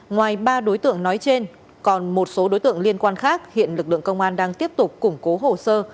ngoài ba đối tượng nói trên còn một số đối tượng liên quan khác hiện lực lượng công an đang tiếp tục củng cố hồ sơ